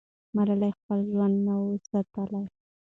ملالۍ خپل ژوند نه سوای ساتلی.